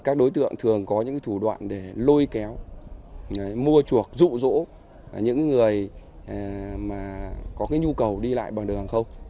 các đối tượng thường có những thủ đoạn để lôi kéo mua chuộc dụ dỗ những người có nhu cầu đi lại bằng đường hàng không